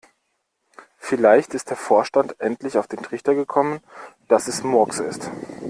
Vielleicht ist der Vorstand endlich auf den Trichter gekommen, dass es Murks ist.